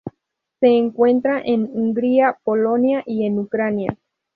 Se encuentra en Hungría, Polonia y en Ucrania.